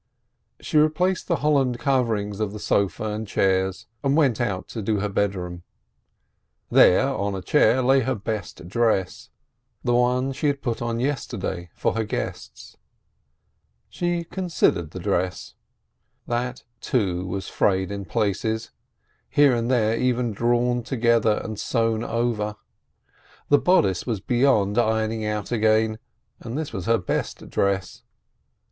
She replaced the holland coverings of the sofa and chairs, and went out to do her bedroom. There, on a chair, lay her best dress, the one she had put on yesterday for her guests. She considered the dress: that, too, was frayed in places; here and there even drawn together and sewn over. The bodice was beyond ironing out again — and this was her best dress.